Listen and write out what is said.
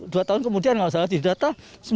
dua tahun kemudian nggak salah didata sembilan belas